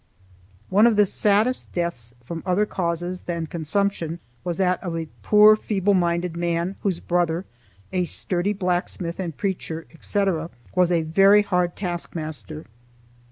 One of the saddest deaths from other causes than consumption was that of a poor feeble minded man whose brother, a sturdy, devout, severe puritan, was a very hard taskmaster.